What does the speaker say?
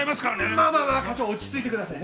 まあまあまあ課長落ち着いてください。